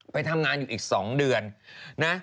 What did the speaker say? ไปทำงานอยู่อีก๒เดือนนะ